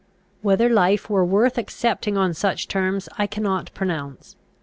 Whether life were worth accepting on such terms I cannot pronounce.